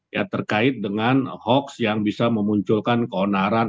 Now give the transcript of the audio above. ya terkait dengan hoax yang bisa memunculkan keonaran